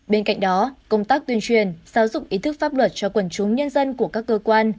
bên cạnh đó công tác tuyên truyền giáo dục ý thức pháp luật cho quần chúng nhân dân của các cơ quan